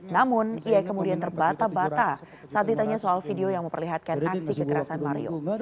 namun ia kemudian terbata bata saat ditanya soal video yang memperlihatkan aksi kekerasan mario